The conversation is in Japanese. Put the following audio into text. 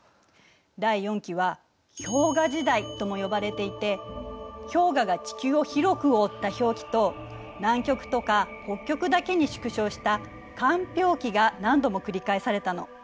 第四紀は「氷河時代」とも呼ばれていて氷河が地球を広く覆った「氷期」と南極とか北極だけに縮小した「間氷期」が何度もくり返されたの。